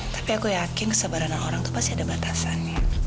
tapi aku yakin kesebaran orang itu pasti ada batasan